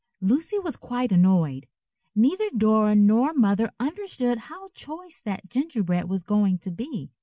Lucy was quite annoyed. Neither Dora nor Mother understood how choice that gingerbread was going to be.